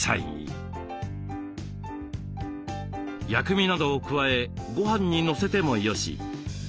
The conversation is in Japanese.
薬味などを加えごはんにのせてもよし。